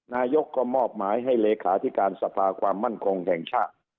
นายกก็มอบหมายให้เลขาธิการสภาความมั่นคงแห่งชาติ